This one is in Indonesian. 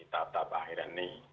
tahap tahap akhirnya ini